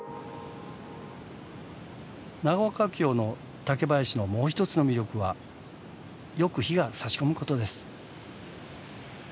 長岡京の竹林のもう一つの魅力はよく日がさし込むことです。